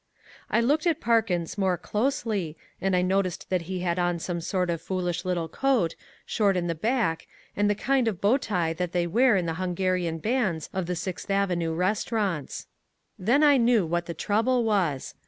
I looked at Parkins more closely and I noticed that he had on some sort of foolish little coat, short in the back, and the kind of bow tie that they wear in the Hungarian bands of the Sixth Avenue restaurants. Then I knew what the trouble was.